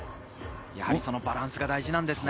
バランスが大事なんですね。